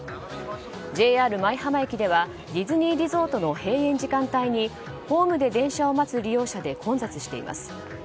ＪＲ舞浜駅ではディズニーリゾートの閉園時間帯にホームで電車を待つ利用者で混雑しています。